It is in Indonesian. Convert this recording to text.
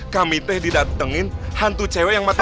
kami teh didatengin hantu cewe yang mati